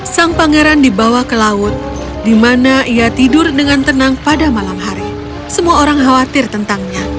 sang pangeran dibawa ke laut di mana ia tidur dengan tenang pada malam hari semua orang khawatir tentangnya